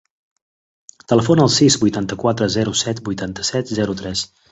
Telefona al sis, vuitanta-quatre, zero, set, vuitanta-set, zero, tres.